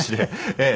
ええ。